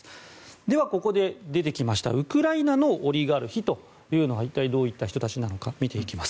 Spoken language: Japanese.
では、ここで出てきましたウクライナのオリガルヒというのは一体どういった人たちなのか見ていきます。